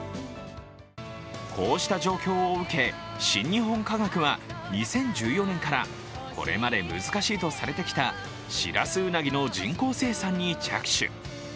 こうした状況を受け、新日本科学は２０１４年からこれまで難しいとされてきたシラスウナギの人工生産に着手。